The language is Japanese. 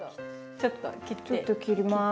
ちょっと切ります。